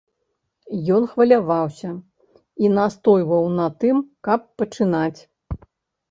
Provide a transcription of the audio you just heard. Ён хваляваўся і настойваў на тым, каб пачынаць.